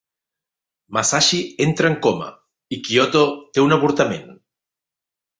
Masashi entra en coma i Kyoko té un avortament.